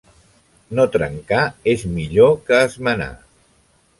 No trencar és millor que esmenar.